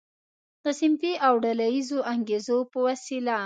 د صنفي او ډله ییزو انګیزو په وسیله.